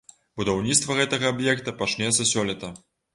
Будаўніцтва гэтага аб'екта пачнецца сёлета.